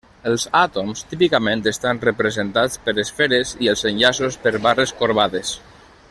Els àtoms típicament estan representats per esferes i els enllaços per barres corbades.